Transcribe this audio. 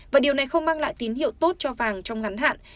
và điều này không mang lại tín hiệu tốt cho vàng trong ngắn hạn